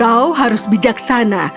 kau harus bijaksana